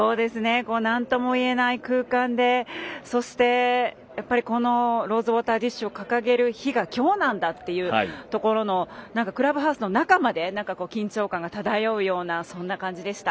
なんともいえない空間でそしてローズウォーター・ディッシュを掲げる日が今日なんだっていうところのクラブハウスの中まで緊張感が漂うようなそんな感じでした。